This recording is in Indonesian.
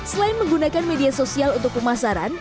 selain menggunakan media sosial untuk pemasaran